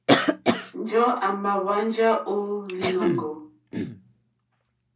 Njɔ̀ɔ́ à mà hwánjá ó lìnɔ̀ŋgɔ̀.